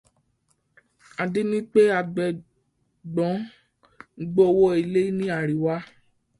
Adé ní pé agbébọn ń gbowó ilẹ̀ ní Àríwá.